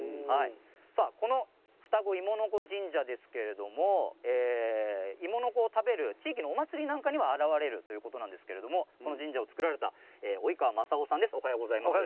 この二子いものこ神社ですけれどいものこを食べる地域のお祭りなんかにあらわれるということでこの神社を作られた及川正男さんです。